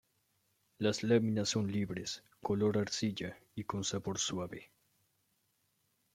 Las láminas son libres, color arcilla y con sabor suave.